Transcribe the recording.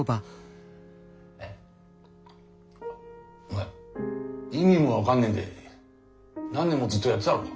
えお前意味も分かんねえで何年もずっとやってたのか？